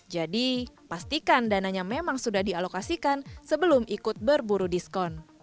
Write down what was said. jadi pastikan dananya memang sudah dialokasikan sebelum ikut berburu diskon